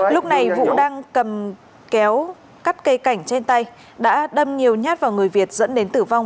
lúc này vũ đang cầm kéo cắt cây cảnh trên tay đã đâm nhiều nhát vào người việt dẫn đến tử vong